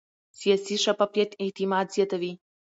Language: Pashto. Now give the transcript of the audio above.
سیاسي شفافیت اعتماد زیاتوي